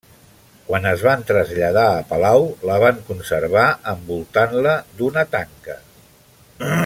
Quan es van traslladar a palau, la van conservar envoltant-la d'una tanca.